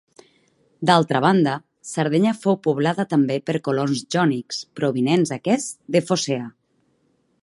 D'altra banda, Sardenya fou poblada també per colons jònics, provinents aquests de Focea.